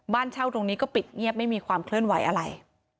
เช่าตรงนี้ก็ปิดเงียบไม่มีความเคลื่อนไหวอะไร